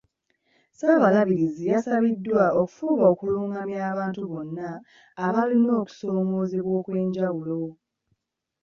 Ssaabalabirizi yasabiddwa okufuba okuluŋŋamya abantu bonna abalina okusoomoozebwa okw'enjawulo.